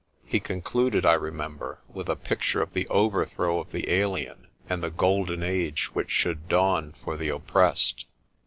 He con cluded, I remember, with a picture of the overthrow of the alien and the golden age which should dawn for the op pressed.